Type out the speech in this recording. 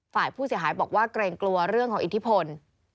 ฝ่ายผู้เสียหายบอกว่าเกรงกลัวเรื่องของอิทธิพล